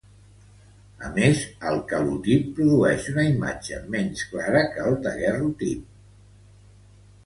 A més, el calotip produeix una imatge menys clara que el daguerreotip.